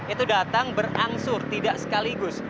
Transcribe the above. itu datang berangsur tidak sekaligus